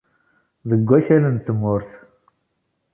Deg wakal n tmurt.